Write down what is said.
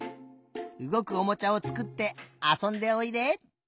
うごくおもちゃをつくってあそんでおいで。